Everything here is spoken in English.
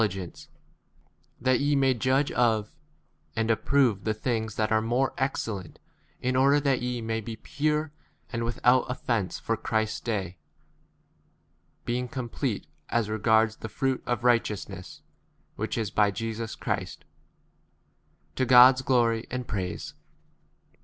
It means ' grow in these,' yet love would 10 gence, that ye may judge of and approve the things that are more excellent, in order that ye may be pure and without offence for 11 Christ's day, being complete as regards the fruit f of righteousness, which [isj by Jesus Christ, to God's glory and praise.